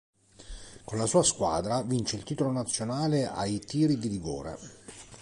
Con la sua squadra vince il titolo nazionale ai tiri di rigore.